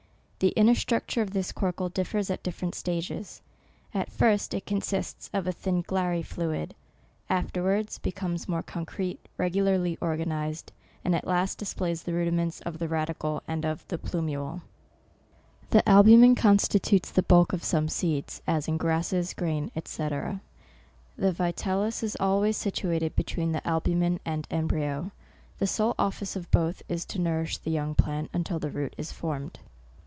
The inner structure of this corcle differs at different stages. At first it consists of a thin glary flu id ; afterwards becomes more concrete, re gularly organized ; and at last displays the rudiments of the radicle, and of the plumule. " The albumen constitutes the bulk of some seeds, as in grasses, grain, &c. The vi tellus is always situated between the albumen and embryo. The sole office of both is to nourish the young plant, until the root is formed."